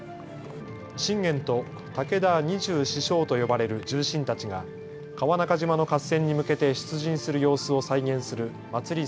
信玄と武田二十四将と呼ばれる重臣たちが川中島の合戦に向けて出陣する様子を再現する祭り